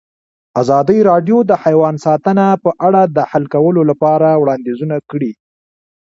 ازادي راډیو د حیوان ساتنه په اړه د حل کولو لپاره وړاندیزونه کړي.